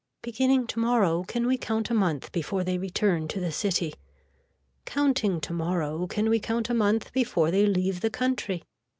Beginning tomorrow can we count a month before they return to the city. Counting tomorrow can we count a month before they leave the country.